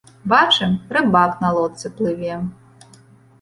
Бачым, рыбак на лодцы плыве.